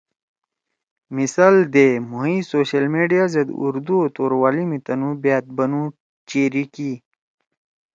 مثال دے مھوئے سوشل میڈیا زید اردو او توروالی می تُنُو بأت بنُو چیری کی۔